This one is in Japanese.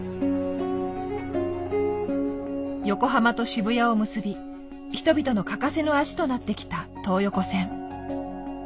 横浜と渋谷を結び人々の欠かせぬ足となってきた東横線。